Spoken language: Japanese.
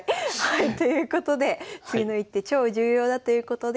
ということで次の一手超重要だということです。